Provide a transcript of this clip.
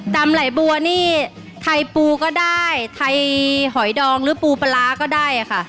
ำไหลบัวนี่ไทยปูก็ได้ไทยหอยดองหรือปูปลาร้าก็ได้ค่ะ